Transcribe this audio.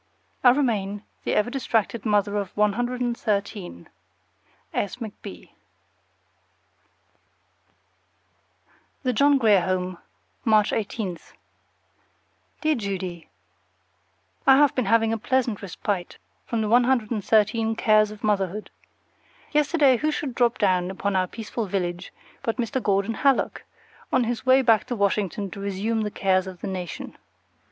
I remain, The ever distracted mother of 113. S. McB. THE JOHN GRIER HOME, March 18. Dear Judy: I have been having a pleasant respite from the 113 cares of motherhood. Yesterday who should drop down upon our peaceful village but Mr. Gordon Hallock, on his way back to Washington to resume the cares of the nation.